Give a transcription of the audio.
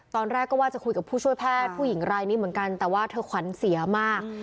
ตอนแรกก็ว่าจะคุยกับผู้ช่วยแพทย์ผู้หญิงรายนี้เหมือนกันแต่ว่าเธอขวัญเสียมาก